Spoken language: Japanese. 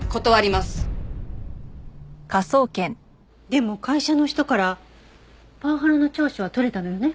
でも会社の人からパワハラの調書は取れたのよね？